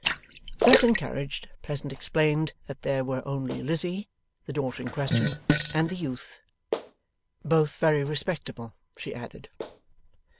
Thus encouraged, Pleasant explained that there were only Lizzie, the daughter in question, and the youth. Both very respectable, she added.